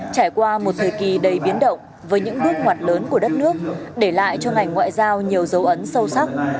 trải qua một thời kỳ đầy biến động với những bước ngoặt lớn của đất nước để lại cho ngành ngoại giao nhiều dấu ấn sâu sắc